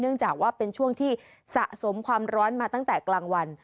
จากว่าเป็นช่วงที่สะสมความร้อนมาตั้งแต่กลางวัน